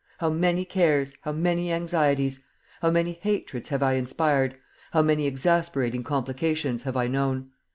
How many cares, how many anxieties! How many hatreds have I inspired, how many exasperating complications have I known!